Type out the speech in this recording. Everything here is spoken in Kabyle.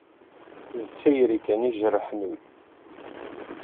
D tayri kan i ijerrḥen ul.